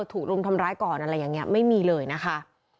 รุมทำร้ายก่อนอะไรอย่างนี้ไม่มีเลยนะคะ